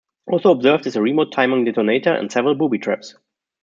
Also observed is a remote timing detonator, and several booby traps.